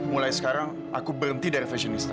mulai sekarang aku berhenti dari fashionista